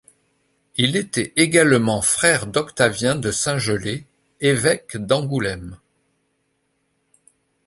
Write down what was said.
Il était également frère d'Octavien de Saint-Gelais, évêque d'Angoulême.